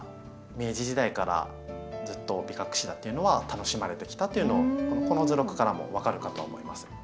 明治時代からずっとビカクシダっていうのは楽しまれてきたっていうのこの図録からも分かるかと思います。